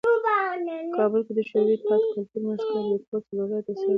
په کابل کې د شوروي اتحاد کلتوري مرکز "بریکوټ" څلورلارې ته څېرمه و.